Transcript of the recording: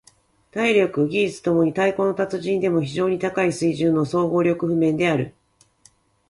体力・技術共に太鼓の達人でも非常に高い水準の総合力譜面である。